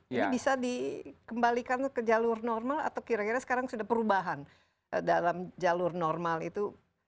ini bisa dikembalikan ke jalur normal atau kira kira sekarang sudah perubahan dalam jalur normal itu